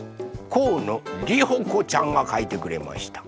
こうのりほこちゃんがかいてくれました。